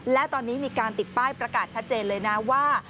และตอนนี้มีการติดป้ายประกาศชัดเจนเลยนะว่า